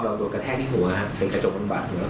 และยืนยันเหมือนกันว่าจะดำเนินคดีอย่างถึงที่สุดนะครับ